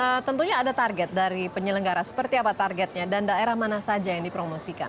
nah tentunya ada target dari penyelenggara seperti apa targetnya dan daerah mana saja yang dipromosikan